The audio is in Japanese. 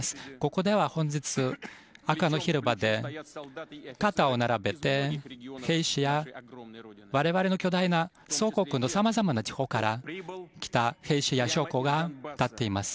ここでは本日赤の広場で肩を並べて兵士や、我々の巨大な祖国のさまざまな地方から来た兵士や将校が立っています。